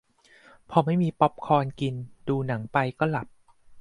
พอไม่มีป๊อปคอร์นกิน ดูหนังไปก็หลับ